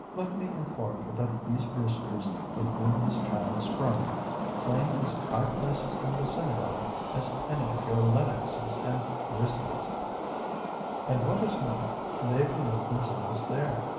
Let me inform you that these Brewsters, of whom this child sprung, claim as high places in the synagogue as any of your Lennoxes and Risleys, and, what is more, they believe themselves there.